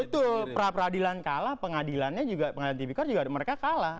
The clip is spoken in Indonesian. betul perapradilan kalah pengadilannya juga pengadilan tvk juga mereka kalah